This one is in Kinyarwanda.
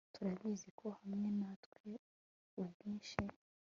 turabizi ko hamwe natwe ubwinshi